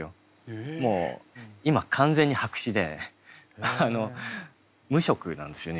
もう今完全に白紙で無色なんですよね